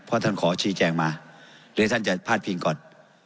เพราะท่านขอชี้แจงมาเดี๋ยวท่านจะพาดพิงก่อน